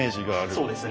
そうですね。